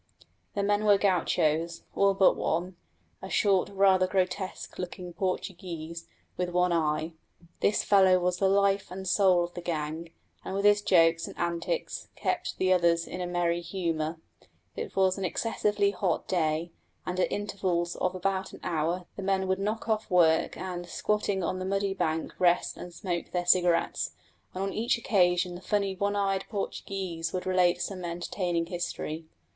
The men were gauchos, all but one a short, rather grotesque looking Portuguese with one eye. This fellow was the life and soul of the gang, and with his jokes and antics kept the others in a merry humour. It was an excessively hot day, and at intervals of about an hour the men would knock off work, and, squatting on the muddy bank, rest and smoke their cigarettes; and on each occasion the funny one eyed Portuguese would relate some entertaining history.